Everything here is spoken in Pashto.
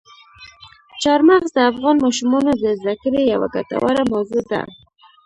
چار مغز د افغان ماشومانو د زده کړې یوه ګټوره موضوع ده.